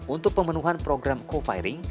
untuk pemenuhan program co firing